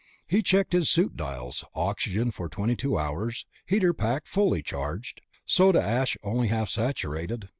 He checked his suit dials ... oxygen for twenty two hours, heater pack fully charged, soda ash only half saturated